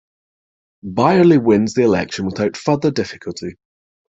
Byerley wins the election without further difficulty.